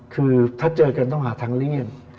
คือถ้าเจอกันต้องหาทางเลี่ยง